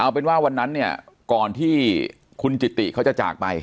เอาเป็นว่าวันนั้นเนี่ยก่อนที่คุณจิติเขาจะจากไป